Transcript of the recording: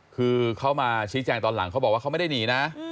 คือเขามาชี้แจงตอนหลังเขาบอกว่าเขาไม่ได้หนีนะ